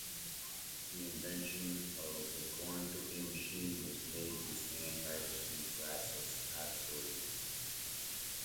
The invention of the corn picking machine has made this hand harvesting process obsolete.